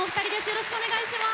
よろしくお願いします。